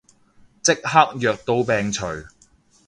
即刻藥到病除